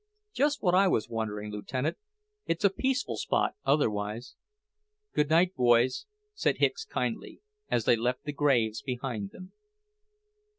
"Just what I was wondering, Lieutenant. It's a peaceful spot, otherwise. Good night, boys," said Hicks kindly, as they left the graves behind them.